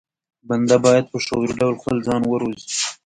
بنده بايد په شعوري ډول خپل ځان وروزي.